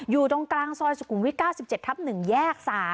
อยู่ตรงกลางซอยสุขุมวิท๙๗ทับ๑แยก๓